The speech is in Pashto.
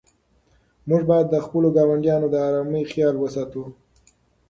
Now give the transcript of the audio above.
موږ باید د خپلو ګاونډیانو د آرامۍ خیال وساتو.